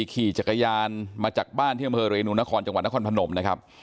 ขี่จักรยานมาจากบ้านที่อำเภอเรนูนครจังหวัดนครพนมนะครับ